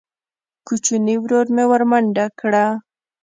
کوچیني ورور مې ورمنډه کړه.